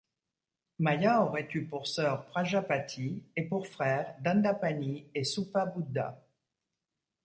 Māyā aurait eu pour sœur Prajapati et pour frères Dandapāni et Suppabuddha.